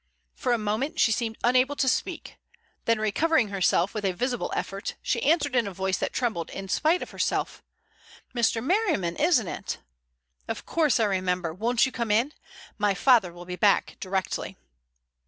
For a moment she seemed unable to speak, then, recovering herself with a visible effort, she answered in a voice that trembled in spite of herself: "Mr. Merriman, isn't it? Of course I remember. Won't you come in? My father will be back directly."